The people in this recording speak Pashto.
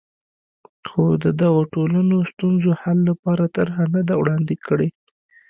خو د دغو ټولنو ستونزو حل لپاره طرحه نه ده وړاندې کړې.